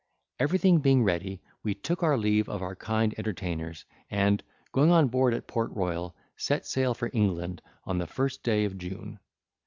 Everything being ready, we took our leave of our kind entertainers, and, going on board at Port Royal, set sail for England on the first day of June.